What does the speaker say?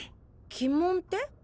鬼門って？